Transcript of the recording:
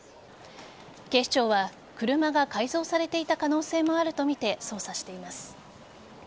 警視庁は車が改造されていた可能性もあるとみて捜査しています。